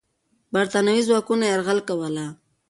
برتانوي ځواکونه یرغل کوله.